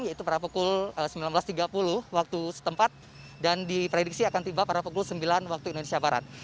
yaitu pada pukul sembilan belas tiga puluh waktu setempat dan diprediksi akan tiba pada pukul sembilan waktu indonesia barat